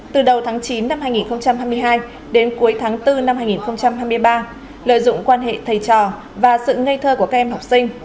từ đầu tháng chín năm hai nghìn hai mươi hai đến cuối tháng bốn năm hai nghìn hai mươi ba lợi dụng quan hệ thầy trò và sự ngây thơ của các em học sinh